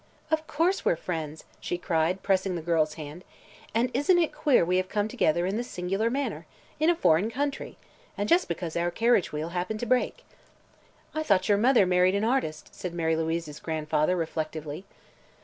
"Of course we're friends!" she cried, pressing the girl's hand, "and isn't it queer we have come together in this singular manner? In a foreign country! And just because our carriage wheel happened to break." "I thought your mother married an artist," said Mary Louise's grandfather, reflectively.